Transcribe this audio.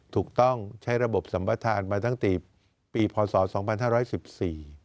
ถูกต้องใช้ระบบสัมภาษณ์มาตั้งแต่ปีพศ๒๕๑๔